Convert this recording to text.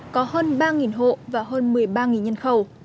có hơn ba hộ và hơn một mươi ba nhân khẩu